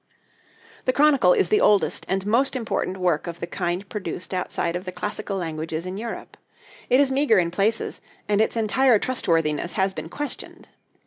This 'Chronicle' is the oldest and most important work of the kind produced outside of the classical languages in Europe. It is meagre in places, and its entire trustworthiness has been questioned.